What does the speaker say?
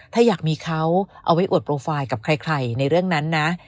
ถ้าอยากมีเขาเอาไว้อวดโปรไฟล์กับใครในเรื่องนั้นนะ